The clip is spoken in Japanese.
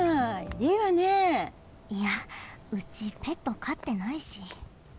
いやうちペットかってないし。